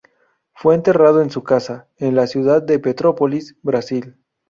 Fue enterrado en su casa, en la ciudad de Petrópolis, Brasil.